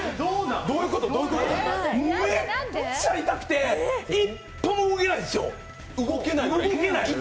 めっちゃ痛くて一歩も動けないんですよ。